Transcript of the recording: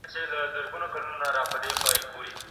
اصفهان ته د سفر پر مهال ميرويس خان نيکه څه ولیدل؟